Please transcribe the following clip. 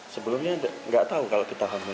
sebelumnya tidak tahu kalau kita hamil